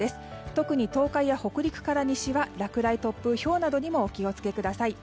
特に東海や北陸から西は落雷、突風、ひょうなどにお気をつけください。